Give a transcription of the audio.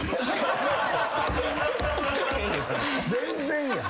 全然やん。